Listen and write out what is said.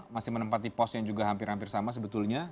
masih menempati pos yang juga hampir hampir sama sebetulnya